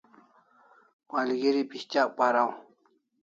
Malgeri pis'tyak paraw